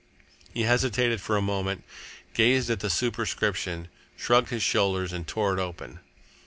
He hesitated for a moment, gazed at the superscription, shrugged his shoulders, and tore it open.